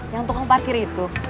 yang tukang parkir itu